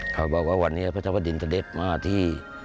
เขาบอกว่าวันนี้พระเจ้าดินเสด็จมาที่